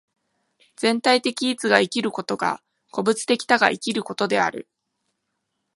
全体的一が生きることが個物的多が生きることである。